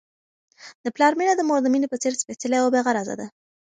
د پلار مینه د مور د مینې په څېر سپیڅلې او بې غرضه ده.